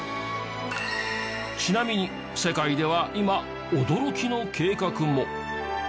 ちなみに世界では今驚きの計画も。